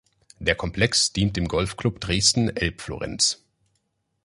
Der Komplex dient dem Golfclub Dresden-Elbflorenz.